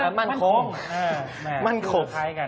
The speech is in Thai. นี่ชาไพกันมั่นขง